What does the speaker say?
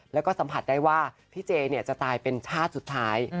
แล้วก็สัมผัสได้ว่าพี่เจจะตายเป็นชาติสุดท้าย